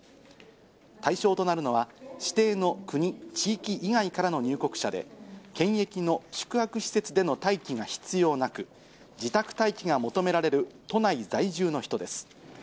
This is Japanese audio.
対象となるのは、指定の国、地域以外からの入国者で、検疫後、宿泊施設での待機が必要なく、自宅待機が求められる都内在住の人です。